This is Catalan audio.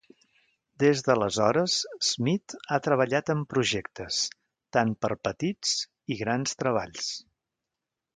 Des d'aleshores, Smith ha treballat en projectes, tant per petits i grans treballs.